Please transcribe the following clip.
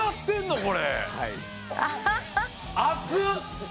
これ。